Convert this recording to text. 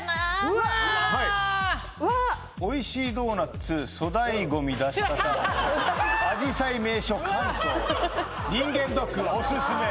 うわあっ「おいしいドーナツ」「粗大ゴミ出し方」「あじさい名所関東」「人間ドックおすすめ」